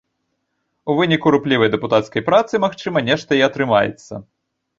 У выніку руплівай дэпутацкай працы магчыма, нешта і атрымаецца.